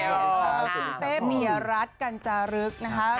คุณเต้เมียรัฐกัญจารึกนะคะ